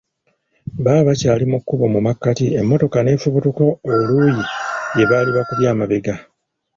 Baba bakyali mu kkubo mu makkati emmotoka neefubutuka oluuyi gye baali bakubye amabega.